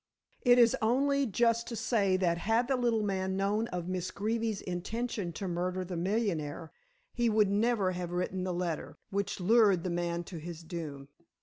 It is only just to say that had the little man known of Miss Greeby's intention to murder the millionaire, he would never have written the letter which lured the man to his doom.